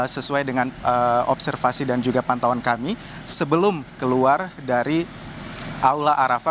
sesuai dengan observasi dan juga pantauan kami sebelum keluar dari aula arafah